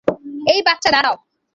এই বাচ্চা দাঁড়াও।